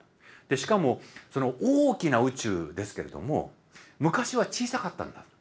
しかも大きな宇宙ですけれども昔は小さかったんだと。